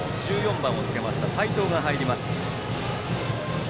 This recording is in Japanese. １４番をつけた齋藤が入ります。